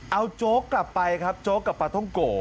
เอาโจ๊กกลับไปครับโจ๊กกับปลาท่องโก